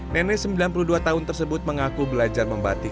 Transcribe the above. nenek sembilan puluh dua tahun tersebut mengaku belajar membatik